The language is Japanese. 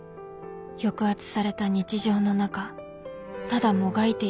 「抑圧された日常の中ただもがいていた」